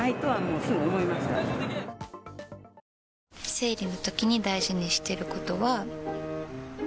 生理のときに大事にしてることは。